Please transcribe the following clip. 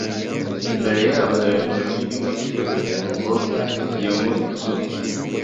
imbere yabo hejuru yumutwe kugirango yumuke izuba